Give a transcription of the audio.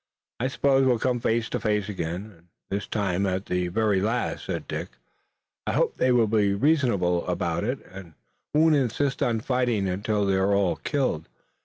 "I suppose we'll come face to face again, and this time at the very last," said Dick. "I hope they'll be reasonable about it, and won't insist on fighting until they're all killed.